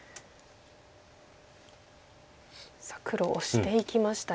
さあ黒オシていきましたよ。